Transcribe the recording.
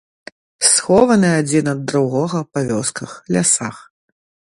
Схованы адзін ад другога па вёсках, лясах.